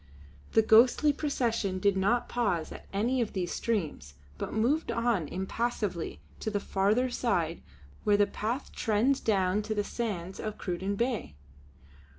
The ghostly procession did not pause at any of these streams, but moved on impassively to the farther side where the path trends down to the sands of Cruden Bay.